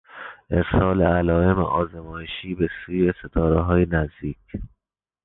ارسال علایم آزمایشی به سوی ستارههای نزدیک